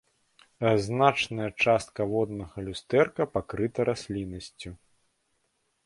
Значная частка воднага люстэрка пакрыта расліннасцю.